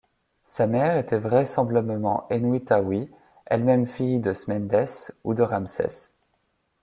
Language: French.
Sa mère était vraisemblablement Henouittaoui, elle-même fille de Smendès ou de Ramsès.